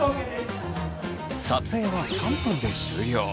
撮影は３分で終了。